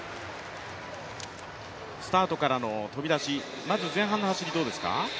スタートからの飛び出し、まず前半の走りどうですか？